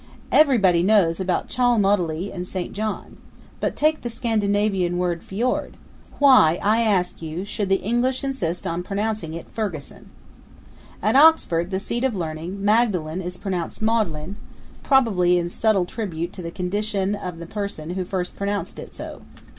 Everybody knows about Cholmondeley and St. John. But take the Scandinavian word fjord. Why, I ask you, should the English insist on pronouncing it Ferguson? At Oxford, the seat of learning, Magdalen is pronounced Maudlin, probably in subtle tribute to the condition of the person who first pronounced it so.